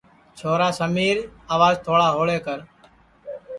چھورا سمیر آواج تھوڑا ہوݪے کر